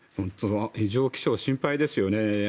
異常気象心配ですよね。